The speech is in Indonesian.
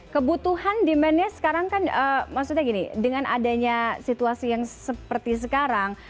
kebutuhan demandnya sekarang kan maksudnya gini dengan adanya situasi yang seperti sekarang